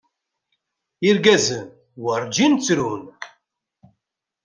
Irgazen werjin ttrun.